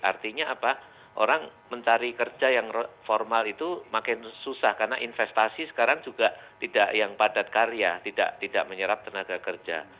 artinya apa orang mencari kerja yang formal itu makin susah karena investasi sekarang juga tidak yang padat karya tidak menyerap tenaga kerja